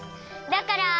だから。